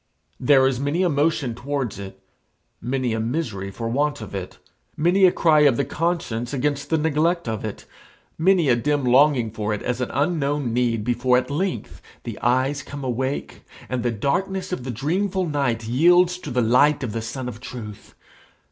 There is many a motion towards it, many a misery for want of it, many a cry of the conscience against the neglect of it, many a dim longing for it as an unknown need before at length the eyes come awake, and the darkness of the dreamful night yields to the light of the sun of truth.